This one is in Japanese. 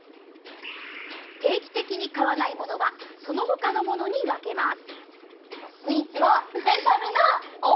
定期的に買わないものはその他のものに分けます。